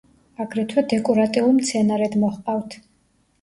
აგრეთვე დეკორატიულ მცენარედ მოჰყავთ.